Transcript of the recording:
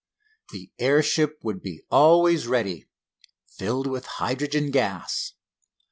The air ship would be always ready, filled with hydrogen gas.